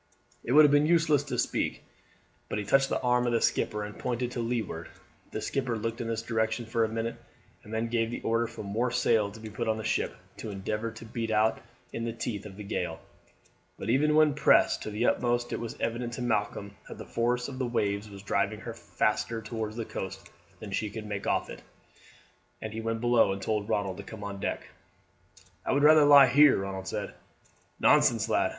It would have been useless to speak, but he touched the arm of the skipper and pointed to leeward. The skipper looked in this direction for a minute and then gave the order for more sail to be put on the ship, to endeavour to beat out in the teeth of the gale. But even when pressed to the utmost it was evident to Malcolm that the force of the waves was driving her faster towards the coast than she could make off it, and he went below and told Ronald to come on deck. "I would rather lie here," Ronald said. "Nonsense, lad!